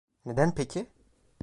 Neden peki?